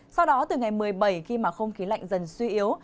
sau đó từ ngày một mươi bảy khi mà không khí lạnh dần suy yếu